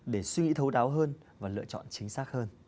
để suy thấu đáo hơn và lựa chọn chính xác hơn